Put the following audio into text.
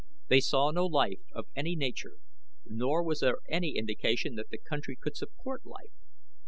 They saw no life of any nature, nor was there any indication that the country could support life.